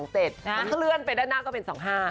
ถ้าเคลื่อนไปด้านหน้าก็เป็น๒๕